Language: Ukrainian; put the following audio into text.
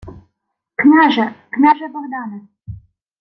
— Княже!.. Княже Богдане!..